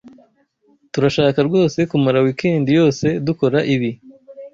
Turashaka rwose kumara weekend yose dukora ibi?